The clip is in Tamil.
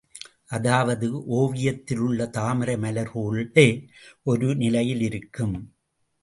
அதாவது, ஓவியத்தில் உள்ள தாமரை மலரேபோல் ஒரே நிலையில் இருக்கும்.